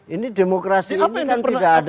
ini demokrasi ini kan tidak ada